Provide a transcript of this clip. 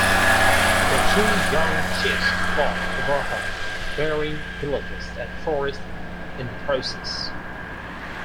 The two young chiefs fought over her, burying villages and forests in the process.